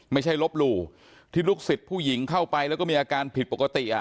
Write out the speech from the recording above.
ไม่ใช่ลบหลู่ที่ลูกศิษย์ผู้หญิงเข้าไปแล้วก็มีอาการผิดปกติอ่ะ